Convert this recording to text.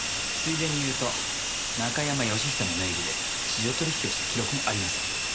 ついでに言うと中山良人の名義で市場取引をした記録もありません。